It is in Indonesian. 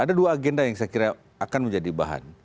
ada dua agenda yang saya kira akan menjadi bahan